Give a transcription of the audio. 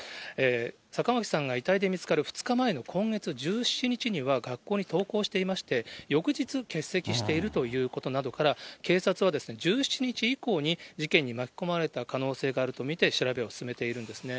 坂巻さんが遺体で見つかる２日前の今月１７日には学校に登校していまして、翌日、欠席しているということなどから、警察は１７日以降に事件に巻き込まれた可能性があると見て、調べを進めているんですね。